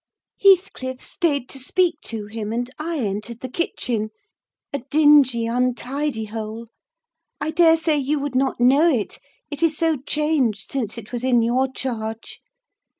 Heathcliff stayed to speak to him, and I entered the kitchen—a dingy, untidy hole; I daresay you would not know it, it is so changed since it was in your charge.